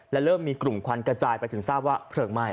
และเริ่มมีกลุ่มควันกระจายไปถึงทราบว่าเพลิงไหม้